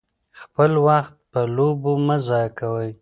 خپل وخت په لوبو مه ضایع کوئ.